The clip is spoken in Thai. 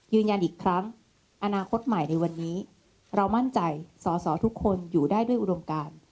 ยืนยันอีกครั้งอนาคตใหม่ในวันนี้เรามั่นใจสอสอทุกคนอยู่ได้ด้วยอุดมการ